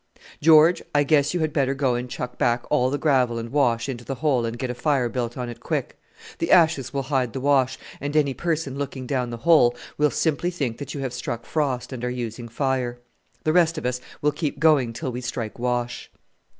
"George, I guess you had better go and chuck back all the gravel and wash into the hole and get a fire built on it quick. The ashes will hide the wash, and any person looking down the hole will simply think that you have struck frost and are using fire. The rest of us will keep going till we strike wash."